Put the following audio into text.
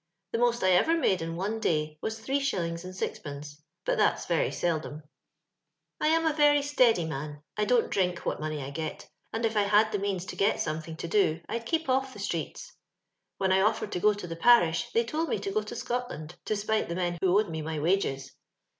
The most I erer made in one day was three shillings and aizpenee, bnt thatTs veiy seldom. ! am a Teiy steady man. I donTt diiak what money I get; and if I had tha meaaa to get somethmg to do^ Td ke^ off the streets. "When I offered to gb to the parish, they told me to go to Scotlsnd, to spite the men who owed me my wages.